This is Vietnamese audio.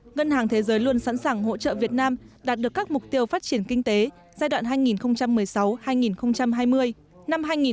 ngân hàng thế giới luôn sẵn sàng hỗ trợ việt nam đạt được các mục tiêu phát triển kinh tế giai đoạn hai nghìn một mươi sáu hai nghìn hai mươi